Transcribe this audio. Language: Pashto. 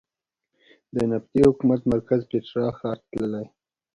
د نبطي حکومت مرکز پېټرا ښار ته تللې.